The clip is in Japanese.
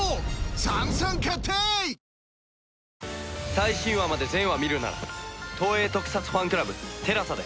最新話まで全話見るなら東映特撮ファンクラブＴＥＬＡＳＡで。